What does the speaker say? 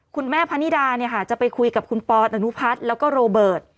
คุณแม่พนิดาจะไปคุยกับคุณปออนุพัฒน์แล้วก็โรเบิร์ต